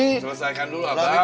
ya selesaikan dulu abang